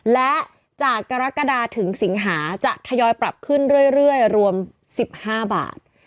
และจากกรกฎาถึงสิงหาจะทยอยปรับขึ้นเรื่อยรวม๑๕บาท